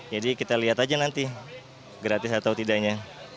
jadi kita lihat aja nanti gratis atau tidaknya